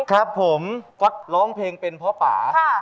ครับผมก็เกิดร้องเพลงเป็นเพราะป่า